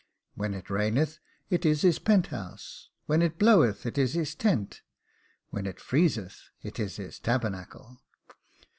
When it raineth, it is his penthouse; when it bloweth, it is his tent; when it freezeth, it is his tabernacle.